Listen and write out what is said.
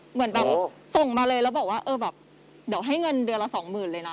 เหมือนแบบส่งมาเลยแล้วบอกว่าเออแบบเดี๋ยวให้เงินเดือนละสองหมื่นเลยนะ